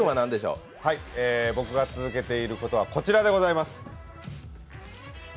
僕が続けていることは、こちらでございます。